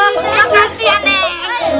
makasih ya nek